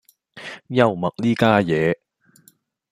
幽默呢家嘢